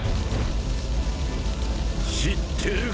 知ってるか？